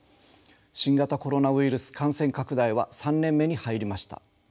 新型コロナウイルス感染拡大は３年目に入りました。